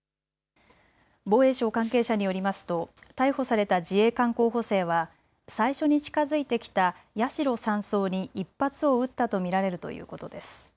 防衛省関係者によりますと逮捕された自衛官候補生は最初に近づいてきた八代３曹に１発を撃ったと見られるということです。